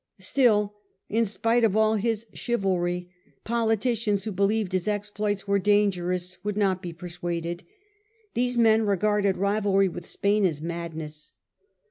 Still, in spite of all his chivalry, politicians who believed his exploits were dangerous would not be persuaded. These men regarded rivalry with Spain as madness.